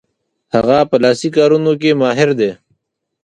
هغه په لاسي کارونو کې ماهر دی.